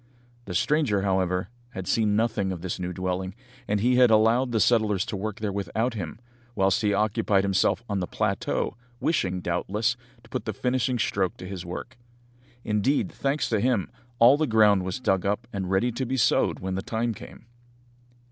The stranger, however, had seen nothing of his new dwelling, and he had allowed the settlers to work there without him, whilst he occupied himself on the plateau, wishing, doubtless, to put the finishing stroke to his work. Indeed, thanks to him, all the ground was dug up and ready to be sowed when the time came.